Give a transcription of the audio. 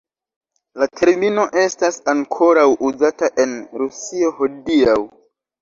La termino estas ankoraŭ uzata en Rusio hodiaŭ.